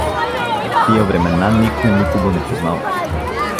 В тия времена никой никого не познава.